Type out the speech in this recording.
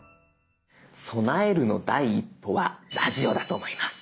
備えるの第一歩はラジオだと思います。